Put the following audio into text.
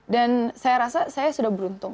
dan saya rasa saya sudah beruntung